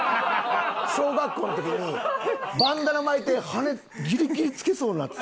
小学校の時にバンダナ巻いて羽根ギリギリ付けそうになってた。